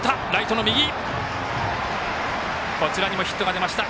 こちらにもヒットが出ました。